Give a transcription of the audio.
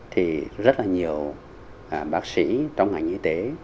thì rất là nhiều bác sĩ trong ngành y tế